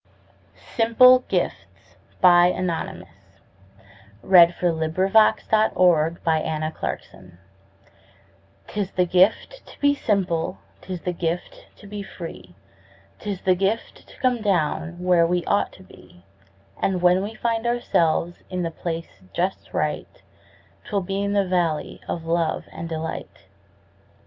was used by Aaron Copeland as the basis for Appalachian Spring SLS 'Tis the gift to be simple, 'tis the gift to be free, 'Tis the gift to come down where we ought to be, And when we find ourselves in the place just right, 'Twill be in the valley of love and delight.